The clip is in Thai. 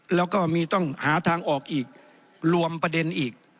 แล้วก็มีต้องหาทางออกอีกรวมประเด็นอีก